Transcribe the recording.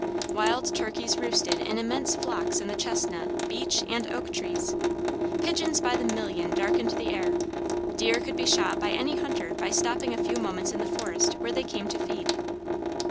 Wild turkeys roosted in immense flocks in the chestnut, beech, and oak trees; pigeons by the million darkened the air; deer could be shot by any hunter by stopping a few moments in the forest where they came to feed.